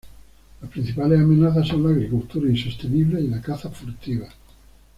Las principales amenazas son la agricultura insostenible y la caza furtiva.